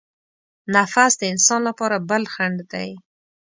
نفس د انسان لپاره بل خڼډ دی.